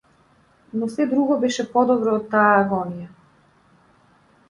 Но сѐ друго беш е подобро од таа агонија!